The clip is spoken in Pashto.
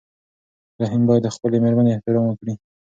رحیم باید د خپلې مېرمنې احترام وکړي.